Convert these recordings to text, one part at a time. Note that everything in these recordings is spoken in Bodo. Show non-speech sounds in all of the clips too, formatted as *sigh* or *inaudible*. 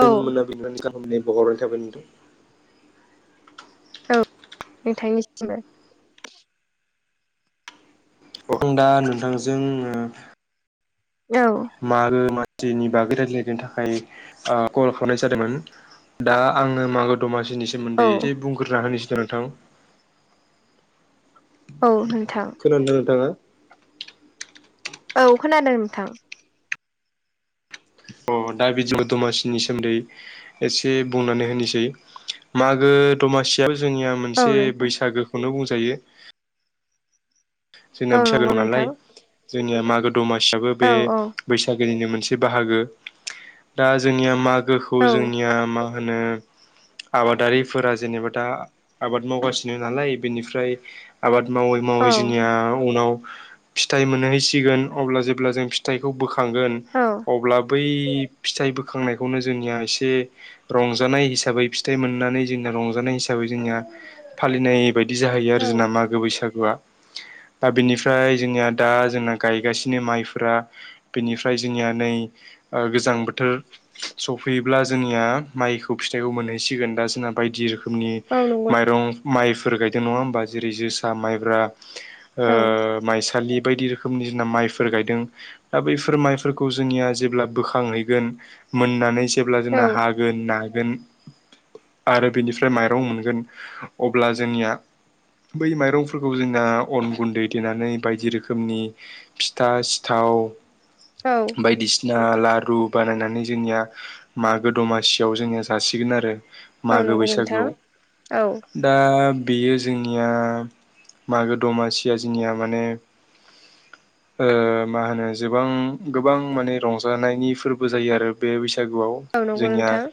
औ नोंथांनिसिमबो। आं दा नोंथांजों औ मागो मानसिनि बागै रायज्लायनो थाखाय कल खालामनाय जादोंमोन दा आंनो मागो दमासिनि औ सोमोन्दै एसे बुंग्रोना होनोसैदों नोंथां। औ नोंथां। खोनादोंना नोंथाङा? औ खोनादों नोंथां। अ दा बेदिबा दमासिनि सोमोन्दै एसे बुंनानै होनायसायो मागो दमासियाबो जोंनिया औ मोनसे नोंथां बैसागोखौनो बुंजायो। जोंना औ बैसागो नंगौ दं नालाय नोंथां जोंनिया मागो दमासियाबो बे औ औ बैसागोनिनो मोनसे बाहागो दा जोंनिया मागोखौ जोंनिया मा होनो आबादारिफोरा जेनेबा दा आबाद मावगासिनो नालाय बेनिफ्राय आबाद मावै औ मावै जों ओ उनाव फिथाइ मोनहहैसिगोन अब्ला जेब्ला जों फिथाइखौ बोखांगोन। औ। अब्ला बै फिथाइ बोखांनायखौनो जोंनिया एसे रंजानाय हिसाबै फिथाइ मोननानै जोंना रंजानाय हिसाबै जोंना फालिनाय बायदि जाहैयो आरो जोंना मागो बैसागोआ। दा बेनिफ्राय जोंनिया दा जोंना गायगासिनो माइफोरा बेनिफ्राय जोंनिया नै गोजां ओ बोथोर सफैयोब्ला जोंनिया माइखौ फिथाइखौ मोनहैसिगोन दा जोंना बायदि रोखोमनि औ नंगौ। माइरं माइफोर गायदों नङा होमबा जेरै जोसा माइब्रा। ओ औ माइसालि बायदि रोखोमनि जोंना माइफोर गायदों। दा बैफोर माइफोरखौ जोंनिया जेब्ला बोखांहैगोन मोननानै जेब्ला औ जोंना हा गोन नागोन आरो बिनिफ्राय माइरं मोनगोन अब्ला जोंनिया बै माइरंफोरखौ जों ना अन गुन्दै देनानै बायदि रोखोमनि फिथा सिथाव औ। बायदिसिना लारु बानायनानै जोंनिया मागो दमासियाव जोङो जासिगोन आरो औ मागो नंगौ नोंथां औ बैसागोआव दा बेयो जोंनिया मागो दमा सिया जिनिया माने ओ मा होनो जोबां गोबां माने रंजानायनि फोरबो जायो आरो बे बैसागुआव औ नंगौ जोंनिया नोंथां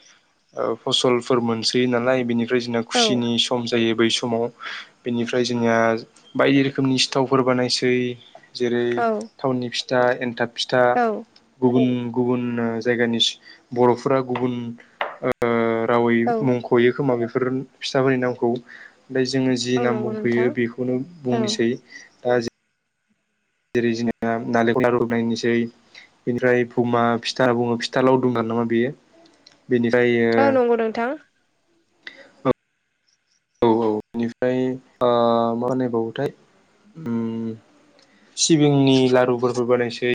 ओ फसलफोर मोनसै नालाय बिनि ओमफ्राय जोंना औ खुसिनि सम जायो बै समाव बेनिफ्राय जोंनिया बायदि रोखोमनि सिथावफोर बानायसै जेरै औ थावननि फिथा एन्थाब फिथा औ गुबुन गुबुन जायगानि बर'फोरा गुबुन ओ ओ रावै मुंख'यो खोमा बेफोर फिसाफोरनि नामखौ ओमफ्राय जोङो जि औ नाम नंगौ बुंफैयो नोंथां बेखौनो औ बुंनोसै दा जेरै जोंना नालेंखल न रुंनायनोसै। बेनिफ्राय बुमा फिथा बुङो फिथा लावदुम नामा बेयो बेनिफ्राय ओ औ नंगौ नोंथां। औ औ बेनिफ्राय ओ मा होननाय बावोथाय उम सिबिंनि लारुफोरबो बानायसै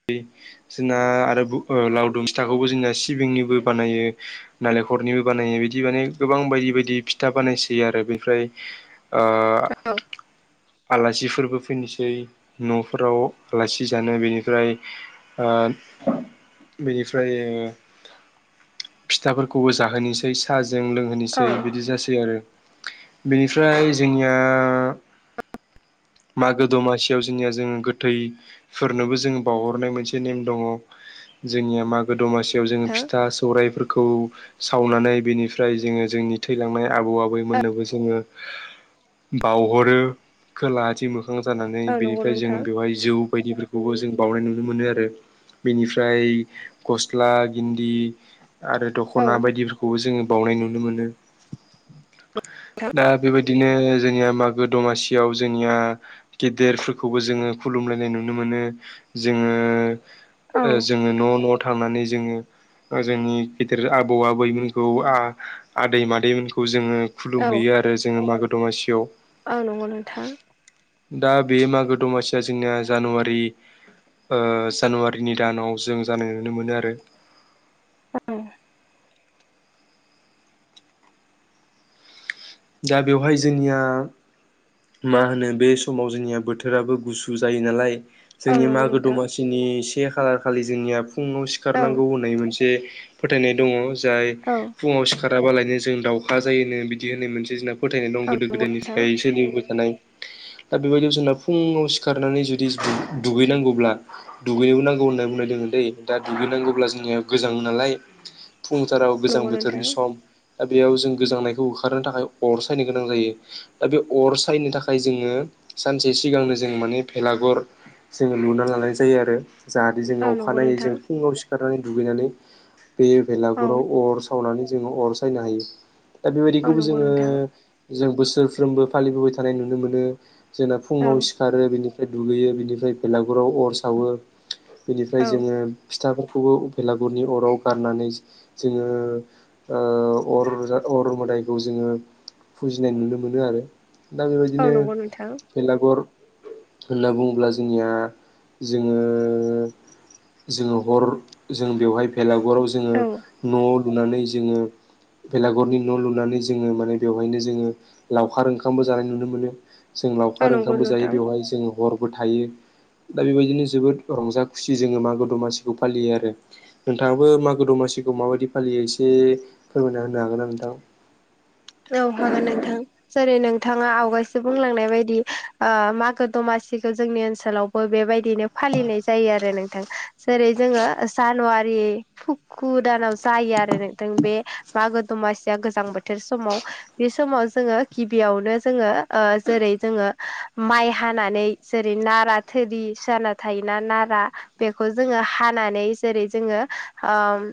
जोंना आरो ओ लाव दुम सिथाखौबो जोंना सिबिंनिबो बानायो नालेंखरनिबो बानायो बिदि माने गोबां बायदि बायदि फिथा बानायसै आरो बेनिफ्राय ओ औ आलासिफोरबो फैनोसै न'फोराव आलासि जानो बेनिफ्राय ओ बेनिफ्राय फिथाफोरखौबो जाहोनोसै साहाजों औ लोंहोनोसै नोंथां बिदि जासै आरो। बेनिफ्राय जोंनिया मागो दमासियाव जोंनिया जोङो गोथैफोरनोबो जोंङ बावहरनाय मोनसे नेम दङ। जोंनिया मागो दमासियाव जोङो फिथा सौराइफोरखौ सावनानै बेनिफ्राय जोङो जोंनि थैलांनाय आबौ औ आबैमोननोबो जोङो बावहरो खोलाहाथिं मोखां जानानै औ नंगौ बेनिफ्राय नोंथां जोङो बेवहाय जौ बायदिफोरखौबो जों बावनाय नुनो मोनो आरो बेनिफ्राय गस्ला गिन्दि आरो औ दख'ना बायदिफोरखौ खौबो जोङो बावनाय नुनो मोनो। दा बेबायदिनो जोंनिया मागो दमासियाव जोंनिया गेदेरफोरखौबो जोङो खुलुमलायनाय नुनो मोनो जोङो ओ जोङो न' न'आव थांनानै जोङो जोंनि गेदेर आबौ आबैमोनखौ आं आदै मादैमोनखौ जोङो खुलुमहैयो आरो जोङो मागो दमासियाव ओं नंगौ नोंथां दा बे मागो दमासिया जोंनिया जानुवारि ओ जानुवारिनि दानाव जों जानाय नुनो मोनो आरो औ दा बेवहाय जोंनिया मा होनो बे समाव जोंनिया बोथोराबो गुसु जायो नालाय औ जोंनि नंगौ मागो नोंथां दमासिनि से खालार खालि जोंनिया फुङाव औ सिखारनांगौ होननाय मोनसे फोथायनाय दङ जाय औ फुङाव सिखाराबालायनो जों दाावखा जायोनो बिदि होननाय मोनसे जोंना फोथायनाय दं औ गोदो नंगौ गोदायनि थाखाय सोलिबोबाय थानाय दा बेबायदियाव जोंना फुङाव सिखारनानै जुदि दुगैनांगौब्ला दुगैनोबो नांगौ होननानै बुंनाय दङ दै दा दुगैनांगौब्ला जोंनिया गोजाङ नालाय फुंथाराव गोजां नोंथां बोथोरनि सम दा बेयाव जों गोजांनायखौ होखारनो थाखाय अर सायनो गोनां जायो। दा बे अर सायनो थाखाय जोङो सानसे सिगांनो जों माने बेलागर जोङो लुना लानाय जायो आरो। जाहाथे जोंनाव नंगौ अखानायै नोंथां जों फुङाव सिखारनानै दुगैनानै बे बेलागुराव औ अर सावनानै जोङो अर सायनो हायो दा बेबायदिखौबो नंगौ जोङो नोंथां जों बोसोरफ्रोमबो फालिबोबाय थानाय नुनो मोनो जोंना औ फुङाव सिखारो बेनि निफाय दुगैयो बिनिफ्राय बेलागुराव अर सावो बिनिफ्राय जोङो फिथाफोरखौबो उफेलागुरनि अराव गारनानै जोङो ओ अरजा अर मदाइखौ जों जोङो फुजिनाय नुनो मोनो आरो दा औ बेबायदिनो नंगौ नोंथां बेलागर होनना बुङोब्ला जोंनिया जोङो जोङो हर जों बेवहाय भेलागुराव जों औ नंगौ नोंथां जोङो औ न'लुनानै जोङो बेलागुरनि न'लुनानै जों जोङो माने बेवहायनो जोङो लावखार ओंखामबो जानाय नुनो मोनो। जों औ लावखार नंगौ ओंखामबो जायो नोंथां बेवहाय जों हरबो थायो। दा बेबायदिनो जोबोद रंजा खुसि जोङो मागो दमासिखौ फालियो आरो। नोंथाङाबो मागो दमासिखौ माबायदि फालियो एसे फोरमायना होनो हागोन ना नोंथां? औ हागोन नोंथां। जेरै नोंथाङा आवगायसो बुंलांनाय बायदि ओ मागो दमासिखौ जोंनि ओनसोलावबो बेबायदिनो फालिनाय जायो आरो नोंथां जेरै जोङो जानुवारि फुखु दानाव जायो आरो नोंथां बे मागो दमासिया गोजां बोथोर समाव बे समाव जोङो गिबियावनो जोङो ओ जेरै जोङो माइ हानानै जेरै नारा थोरि सियाना थायोना नारा बेखौ जोङो हानानै जेरै जोंङो ओम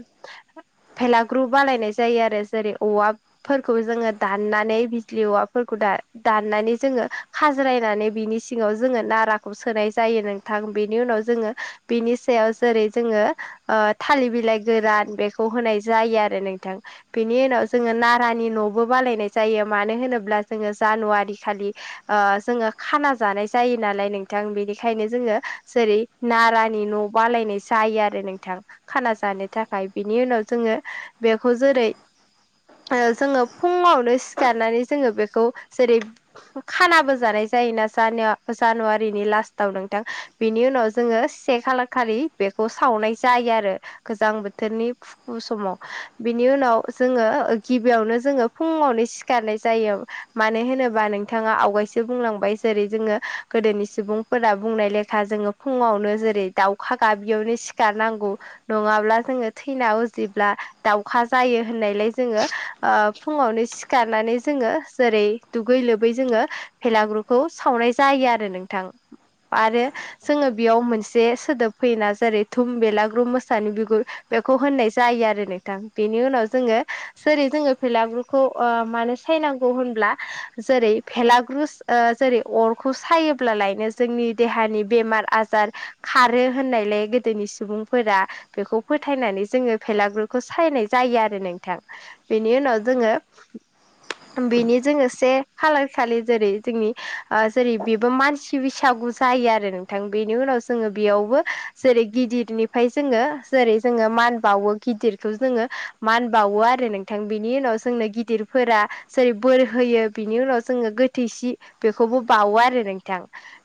फेलाग्रु बालायनाय जायो आरो जेरै औवा फोरखौ जोङो दाननानै बिजलि औवाफोरखौ दा दाननानै जोङो खाज्रायनानै बिनि सि सिङाव जोङो नाराखौ सोनाय जायो नोंथां बेनि उनाव जोङो बिनि सायाव जेरै जोङो ओ थालिर बिलाइ गोरान बेखौ होनाय जायो आरो नोंथां बेनि उनाव जोङो नारा गानि न'बो बालायनाय जायो मानो होनोब्ला जोङो जानुवारि खालि ओ जोङो खाना जानाय जायो नालाय नोंथां बेनिखायनो जोङो जेरै नारानि न' बालायनाय जायो आरो नोंथां। खाना जानो थाखाय बिनि उनाव जोङो बेखौ जेरै ओ जोङो फुङावनो सिखारनानै जोङो बेखौ जेरै खानाबो जानाय जायोना जानुव जानुवारिनि लास्टाव नोंथां। बेनि उनाव जोङो से खालार खालि बेखौ सावनाय जायो आरो गोजां बोथोरनि फुं समाव। बिनि उनाव जोङो गिबियावनो जोङो फुङावनो सिखारनाय जायो मानो होनोबा नोंथाङा आवगायसो बुंलांबाय जेरै जोङो गोदोनि सुबुंफोरा बुंनाय लेखा जोङो फुङावनो जेरै दाउखा गाबियावनो सि सिखार नांगौ नङाब्ला जोङो थैना उजिब्ला दाउखा जायो होननायलाय जोङो फुङावनो सिखारनानै जोङो जेरै दुगै लोबै जोङो भेलाग्रुखौ सावनाय जायो आरो नोंथां। आरो जोङो बेयाव मोनसे सोदोब फैयोना जेरै थुम बेलाग्रु मोसानि बिगुर बेखौ होननाय जायो आरो नोंथां बेनि उनाव जोङो जेरै जोङो भेलागुरखौ मानो सायनांगौ होनब्ला जेरै भेलाग्रुस ओ जेरै अरखौ सायोब्लालायनो जोंनि देहानि बेमार आजार खारो होननायलाय गोदोनि सुबुंफोरा बेखौ फोथायनानै जोङो फेलागुरखौ सायनाय जायो आरो नोंथां। बेनि उनाव जोंङो *inaudible* बेनि जोंङो से खालार खालि जेरै जोंनि जेरै बेबो मानसि बैसागु जायो आरो नोंथां बेनि उनाव जोङो बेयावबो जेरै गिदिरनिफ्राय जोङो जेरै जोङो मान बावो गिदिरखौ जोङो मान बावो आरो नोंथां बिनि उनाव जोंनो गिदिरफोरा जेरै बोर होयो बिनि उनाव जोङो गोथैसि बेखौबो बावो आरो नोंथां।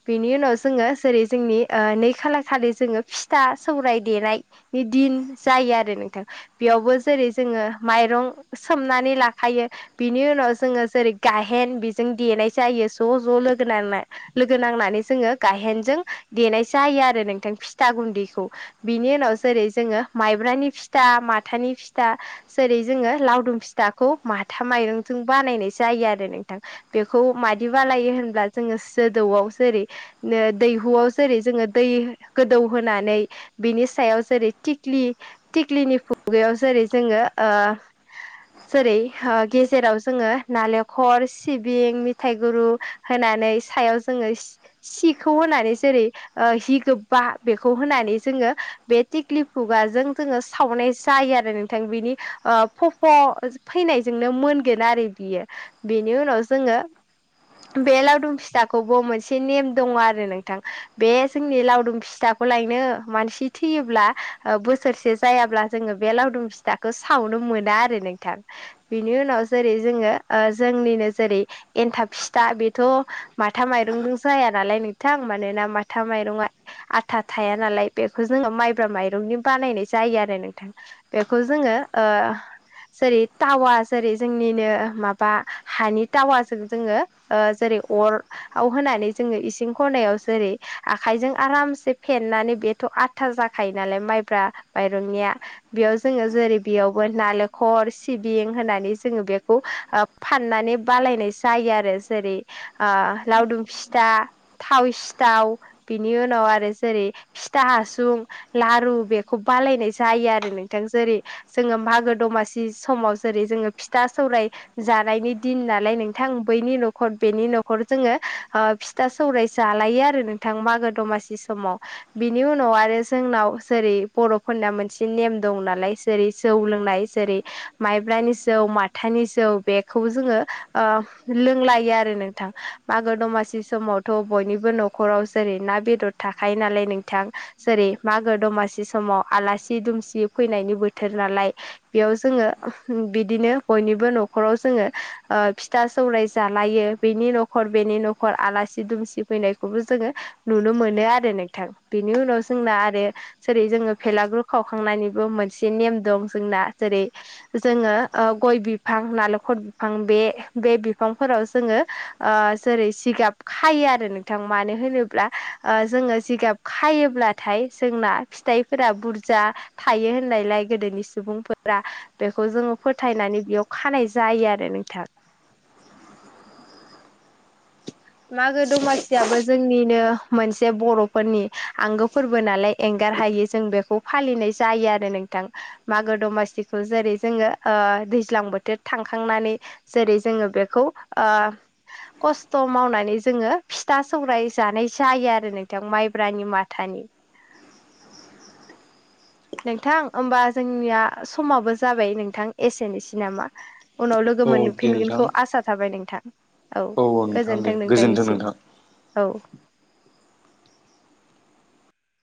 बेनि उनाव जोङो जेरै जोंनि नै खाला खालि जोङो फिथा सौराय देनाय नि दिन जायो आरो नोंथां बेयावबो जेरै जोङो माइरं सोमनानै लाखायो। बिनि उनाव जोङो जेरै गाहेन बेजों देनाय जायो ज' ज' लोगो नांना। लोगो नांनानै जोङो गायहेनजों देनाय जायो आरो नोंथां फिथा गुन्दैखौ। बिनि उनाव जेरै जोङो माइब्रानि फिथा माथानि फिथा जेरै' जोङो लावदुम फिथाखौ माथा माइरंजों बानायनाय जायो आरो नोंथां। बेखौ मादि बालायो होनब्ला जोङो सोदौआव जेरै दैहुआव जेरै जोङो दै गोदौ होनानै बिनि सायाव जेरै थिख्लि थिक्लिनि खुगायाव जेरै जोङो ओ जेरै गेजेराव जोङो नालेंखर सिबिं मिथायाइ गुरु होनानै सायाव जोङो सि सिखौ होनानै जेरै ओ हि गोबा बेखौ होनानै जोङो बे थटिक्लि फुगाजों जोङो सावनाय जायो आरो नोंथां बेनि कफ' फैनायजोंनो मोनगोन आरो बियो। बेनि उनाव जोङो बे लावदुम फिथाखौबो मोनसे नेम दङ आरो नोंथां। बे जोंनि लावदुम फिथाखौ लायनो मानसि थैयोब्ला बोसोरसे जायाब्ला जोङो बे लावदुम फिथाखौ सावनो मोना आरो नोंथां। बिनि उनाव जेरै जोङो ओ जोंनिनो जेरै एनथाब फिथा बेथ' माथा माइरंजों जाया नालाय नोंथां मानोना माथा माइरंआ आथा थाया नालाय बेखौ जोंङो माइब्रा माइरंनि बानायनाय जायो आरो नोंथां। बेखौ जो जोङो ओ जेरै टावा जेरै जोंनिनो माबा हानि टावाजों जोंङो जेरै अर *unintelligible* होनानै जोङो इसिं खनायाव जेरै आखाइजों आरामसे फेन्नानै बेथ' आ था जाखायो नालाय माइब्रा माइरंनिया बेयाव जोङो जेरै बेयावबो नालेंखर सिबिं होननानै जोंङो बेखौ फाननानै बालायनाय जायो आरो जेरै लावदुम फिथा थाव सिथाव बिनि उनाव आरो जेरै फिथा हासुं लारु बेखौ बालायनाय जायो आरो नोंथां जेरै जोङो मागो दमासि समाव जेरै' जोङो फिथा सौराय जानायनि दिन नालाय नोंथां बैनि न'खर बेनि न'खर जोङो फिथा सौराय जालायो आरो नोंथां मागो दमासि समाव बिनि उनाव आरो जोंनाव जेरै बर'फोरना मोनसे नेम दं नालाय जेरै जौ लोंनाय जेरै माइब्रानि जौ माथानि जौ बेखौ जोङो ओ लोंलायो आरो नोंथां मागो दमासि समावथ' बयनिबो न'खराव जेरै ना बेदर थाखायो नालाय नोंथां। जेरै मागो दमासि समाव आलासि दुमसि फैनायनि बोथोर नालाय। बेयाव जोङो बिदिनो बयनिबो न'खराव जोङो ओ फिथा सौराय जालायो बेनि न'खर बेनि न'खर आलासि दुमसि फैनायखौबो जोङो नुनो मोनो आरो नोंथां बेनि उनाव जोंना आरो जेरै जोङो फेलागुर खावखांनायनि बो मोनसे नेम दं जोंना जेरै जोङो ओ गय बिफां नालेंखर बिफां बे बे बिफांफोराव जोङो। ओ जेरै' जिगाब खायो आरो नोंथां मानो होनोब्ला ओ जोङो जिगाब खायोब्लाथाय जोंना फिथाइफोरा बुरजा थायो होननायलाय गोदोनि सुबुंफोरा बेखौ जोङो फोथायनानै बेयाव खानाय जायो आरो नोंथां। मागो दमासियाबो जोंनिनो। मोनसे बर'फोरनि आंगो फोरबो नालाय एंगार हायि जों बेखौ फालिनाय जायो आरो नोंथां। मागो दमासिखौ जेरै जोङो ओ दैज्लां बोथोर थांखांनानै जेरै जोङो बेखौ ओ खस्थ' मावनानै जोङो फिथा सौराय जानाय जायो आरो नोंथां माइब्रानि माथानि नोंथां होमबा जोंनिया समाबो जाबाय नोंथां एसेनोसै नामा। उनाव लोगो औ दे नोंथां मोनफिनगोनखौ आसा थाबाय नोंथां। औ नोंथां दे गोजोन्थों गोजोन्थों नोंथांनिसिम नोंथां। औ।